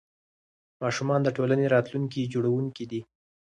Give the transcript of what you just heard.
ماشومان د ټولنې راتلونکي جوړوونکي دي.